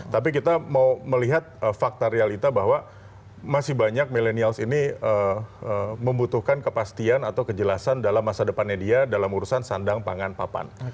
tapi kita mau melihat fakta realita bahwa masih banyak millennials ini membutuhkan kepastian atau kejelasan dalam masa depannya dia dalam urusan sandang pangan papan